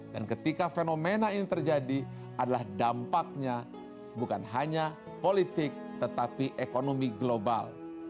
dan ketika fenomena ini terjadi adalah dampaknya bukan hanya politik tetapi ekonomi global